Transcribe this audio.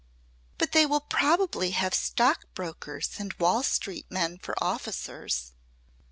"But they will probably have stockbrokers and Wall Street men for officers.